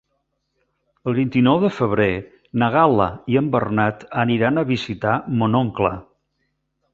El vint-i-nou de febrer na Gal·la i en Bernat aniran a visitar mon oncle.